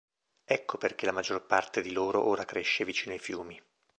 Ecco perché la maggior parte di loro ora cresce vicino ai fiumi.